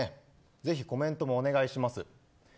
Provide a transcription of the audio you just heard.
ぜひコメントもお願いします。